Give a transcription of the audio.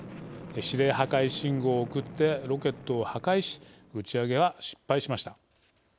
指令破壊信号を送ってロケットを破壊し打ち上げは失敗しました。